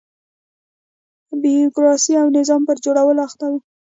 بیروکراسۍ او نظام پر جوړولو اخته و.